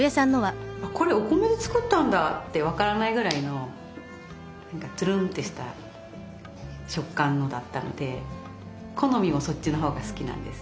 これお米で作ったんだって分からないぐらいのトゥルンってした食感のだったので好みもそっちのほうが好きなんです。